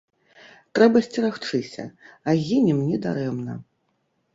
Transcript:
Трэба сцерагчыся, а гінем не дарэмна.